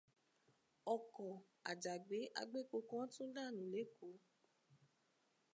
Ọkọ̀ àjàgbé agbépo kan tún dànù l'Ékòó.